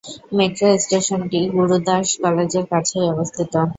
Metro স্টেশনটি গুরুদাস কলেজের কাছেই অবস্থিত।